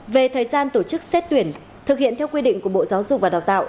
về thời gian tổ chức xét tuyển thực hiện theo quy định của bộ giáo dục và đào tạo